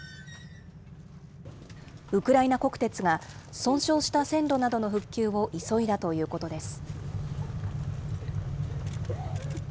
ウクライナ国鉄が、損傷した線路などの復旧を急いだということです。